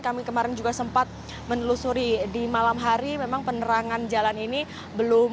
kami kemarin juga sempat menelusuri di malam hari memang penerangan jalan ini belum